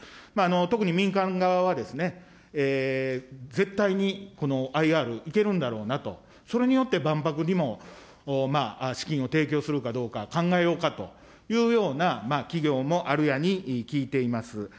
特に民間側はですね、絶対にこのＩＲいけるんだろうなと、それによって万博にも資金を提供するかどうか考えようかというような企業もあるやに聞いています。